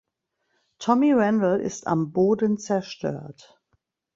Tommy Randall ist am Boden zerstört.